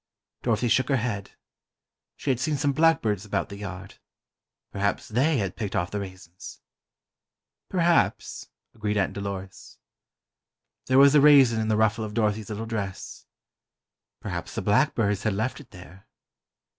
Dorothy shook her head: She had seen some blackbirds about the yard ... perhaps they had picked off the raisins. "Perhaps," agreed Aunt Dolores. There was a raisin in the ruffle of Dorothy's little dress. Perhaps the blackbirds had left it there.